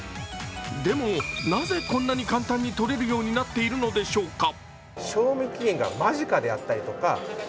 でもなぜこんなに簡単に取れるようになっているのでしょうか。